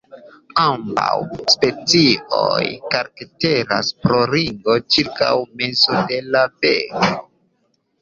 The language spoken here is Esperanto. Ambaŭ specioj karakteras pro ringo cirkaŭ mezo de la beko.